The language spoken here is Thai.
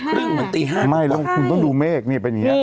เจ็ดโมงครึ่งเหมือนตีห้าไม่แล้วคุณต้องดูเมฆนี่เป็นอย่างเงี้ย